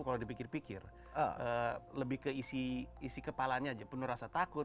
kalau dipikir pikir lebih ke isi kepalanya aja penuh rasa takut